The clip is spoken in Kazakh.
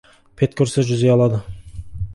Бет көрсе, жүз ұялады.